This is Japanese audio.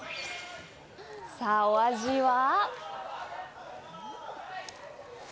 さぁ、お味は？